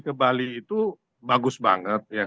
ke bali itu bagus banget ya